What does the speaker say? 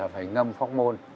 phải ngâm phóc môn